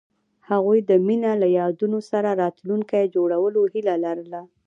هغوی د مینه له یادونو سره راتلونکی جوړولو هیله لرله.